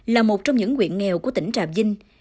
là một trong những quyện nghèo của tỉnh trà vinh